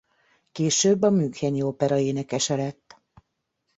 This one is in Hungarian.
Később a müncheni opera énekese lett.